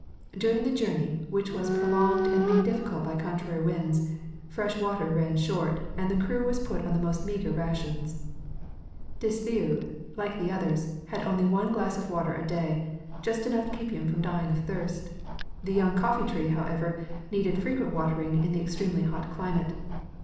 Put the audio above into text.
^* During the journey, which was prolonged and made difficult by contrary winds, fresh water ran short and the crew was put on the most meager ra tions. Declieux, like the others, had only one glass of water a day, just enough to keep him from dying of thirst. The young coffee tree, however, needed frequent watering in that extremely hot climate.